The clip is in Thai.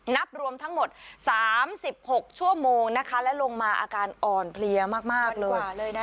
นับรวมทั้งหมด๓๖ชั่วโมงนะคะและลงมาอาการอ่อนเพลียมากเลย